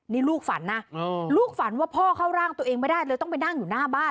นี่ลูกฝันนะลูกฝันว่าพ่อเข้าร่างตัวเองไม่ได้เลยต้องไปนั่งอยู่หน้าบ้าน